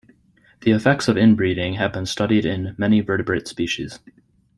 The effects of inbreeding have been studied in many vertebrate species.